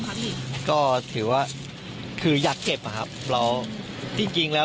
ครับพี่ก็ถือว่าคืออยากเก็บอ่ะครับเราจริงจริงแล้ว